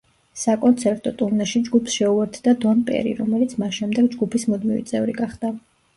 საკონცერტო ტურნეში ჯგუფს შეუერთდა დონ პერი, რომელიც მას შემდეგ ჯგუფის მუდმივი წევრი გახდა.